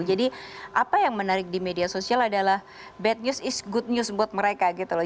jadi apa yang menarik di media sosial adalah bad news is good news buat mereka gitu loh